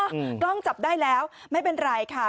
กล้องจับได้แล้วไม่เป็นไรค่ะ